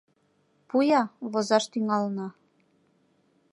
Пу-я, возаш тӱҥалына.